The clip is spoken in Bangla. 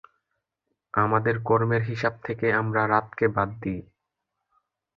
আমাদের কর্মের হিসাব থেকে আমরা রাতকে বাদ দিই।